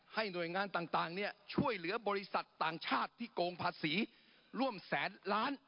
หน่วยงานต่างช่วยเหลือบริษัทต่างชาติที่โกงภาษีร่วมแสนล้าน